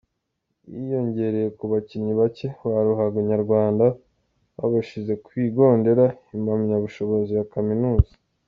Yiyongereye ku bakinnyi bake ba ruhago nyarwanda babashije kwigondera impamyabushobozi ya kaminuza.